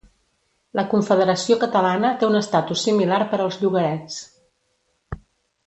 La Confederació Catalana té un estatus similar per als llogarets.